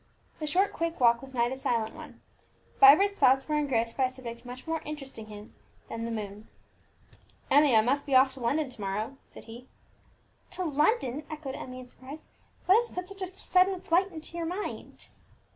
The short quick walk was not a silent one; Vibert's thoughts were engrossed by a subject much more interesting to him than the moon. "Emmie, I must be off to London to morrow," said he. "To London!" echoed Emmie in surprise. "What has put such a sudden flight into your mind?"